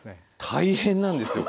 大変なんですよ！